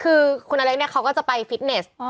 คือคุณอเล็กเนี่ยเขาก็จะไปฟิตเนส